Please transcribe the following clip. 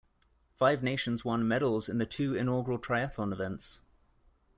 Five nations won medals in the two inaugural triathlon events.